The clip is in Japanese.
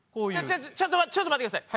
ちょちょちょっと待ってください！